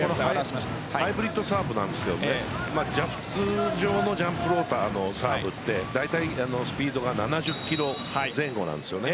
ハイブリッドサーブなんですが通常のジャンプフローターのサーブってだいたいスピードが７０キロ前後なんです。